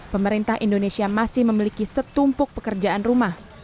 pemerintah indonesia masih memiliki setumpuk pekerjaan rumah